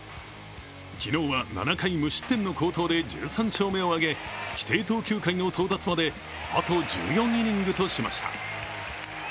昨日は７回無失点の好投で１３勝目を挙げ規定投球回の到達まであと１４イニングとしました。